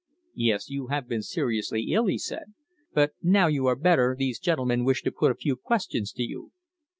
"Yes. You have been seriously ill," he said. "But now you are better these gentlemen wish to put a few questions to you."